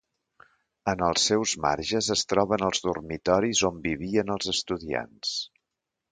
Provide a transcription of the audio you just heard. En els seus marges es troben els dormitoris on vivien els estudiants.